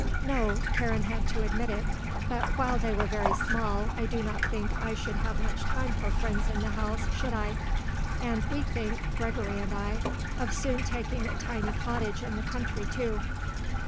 "No," Karen had to admit it; "but while they were very small I do not think I should have much time for friends in the house, should I. And we think, Gregory and I, of soon taking a tiny cottage in the country, too."